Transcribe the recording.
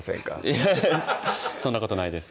いやそんなことないです